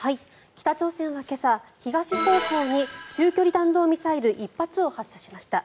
北朝鮮は今朝、東方向に中距離弾道ミサイル１発を発射しました。